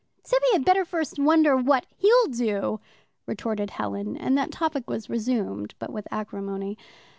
"Tibby had better first wonder what he'll do," retorted Helen; and that topic was resumed, but with acrimony.